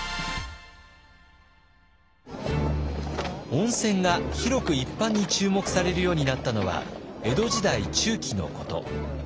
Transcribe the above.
温泉が広く一般に注目されるようになったのは江戸時代中期のこと。